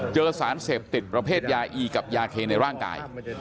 เจอสารเสพติดประเภทยาอีกับยาเคในร่างกาย